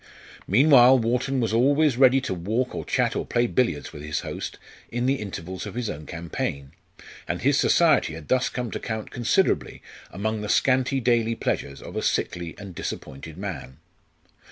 Meanwhile, Wharton was always ready to walk or chat or play billiards with his host in the intervals of his own campaign; and his society had thus come to count considerably among the scanty daily pleasures of a sickly and disappointed man.